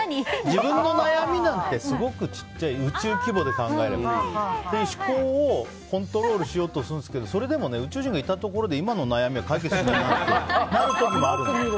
自分の悩みなんてすごく小さい宇宙規模で考えればって思考をコントロールしようとするんですけどそれでも宇宙人がいたところで今の悩みは解決しないとなる時もある。